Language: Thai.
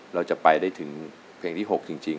เราจะไปได้ถึงเพลงที่๖จริง